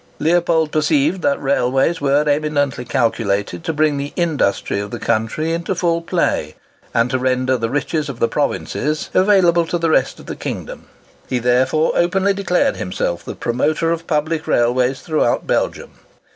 Leopold perceived that railways were eminently calculated to bring the industry of the country into full play, and to render the riches of the provinces available to the rest of the kingdom. He therefore openly declared himself the promoter of public railways throughout Belgium.